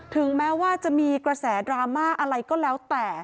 ถึงแม้ว่าจะมีกระแสดราม่าอะไรก็แล้วแต่